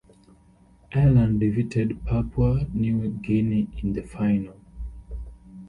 Ireland defeated Papua New Guinea in the final.